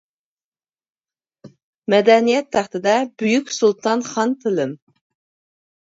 مەدەنىيەت تەختىدە، بۈيۈك سۇلتان خان تىلىم.